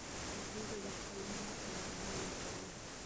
دوی به د خپلې ماتې لامل لټوي.